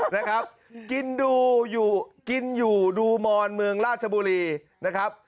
นะครับกินดูอยู่กินอยู่ดูมอนเมืองราชบุรีนะครับ